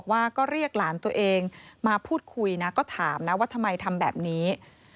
ว่าก็เรียกหลานตัวเองมาพูดคุยนะก็ถามนะว่าทำไมทำแบบนี้